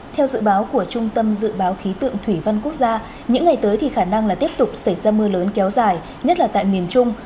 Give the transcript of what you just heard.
theo dự báo của trung tâm dự báo khí tượng thủy văn quốc gia những ngày tới thì khả năng là tiếp tục xảy ra mưa lớn kéo dài nhất là tại miền trung